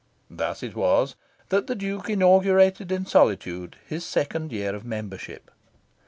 Thus it was that the Duke inaugurated in solitude his second year of membership.